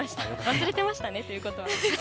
忘れてましたねということは。